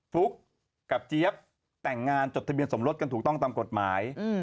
ฟุ๊กกับเจี๊ยบแต่งงานจดทะเบียนสมรสกันถูกต้องตามกฎหมาย